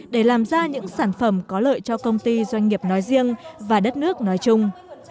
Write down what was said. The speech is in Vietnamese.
để làm ra những sản phẩm có lợi cho công ty doanh nghiệp nói riêng và đất nước nói chung